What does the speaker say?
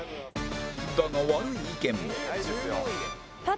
だが悪い意見も